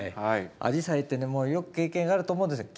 アジサイってねもうよく経験があると思うんですよ。